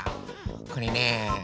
これねえ